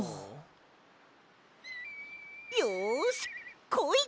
よしこい！